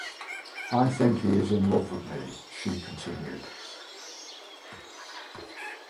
"I think he is in love with me," she continued.